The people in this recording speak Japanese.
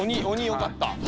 「鬼」よかった。